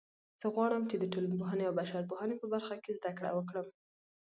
زه غواړم چې د ټولنپوهنې او بشرپوهنې په برخه کې زده کړه وکړم